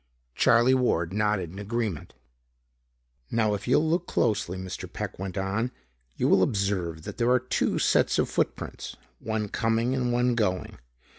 Charlie Ward nodded agreement. "Now if you'll look closely," Mr. Peck went on, "you will observe that there are two sets of foot prints; one coming and one going.